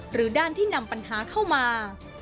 หรือด้านที่นำปัญหาเข้ามา